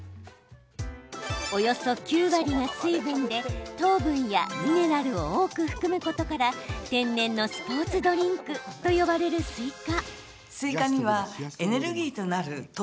およそ９割が水分で糖分やミネラルを多く含むことから天然のスポーツドリンクと呼ばれるスイカ。